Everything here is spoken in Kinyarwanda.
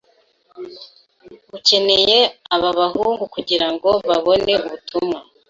Ukeneye aba bahungu kugirango babone ubutumwa